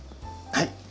はい。